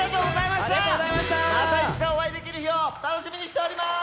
またいつかお会いできる日を楽しみにしております！